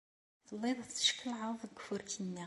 Telliḍ teckellɛeḍ deg ufurk-nni.